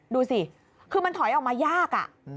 ดูสิคือมันถอยออกมายาก